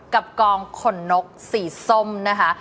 กับกองขนนกสีส้มนะคะ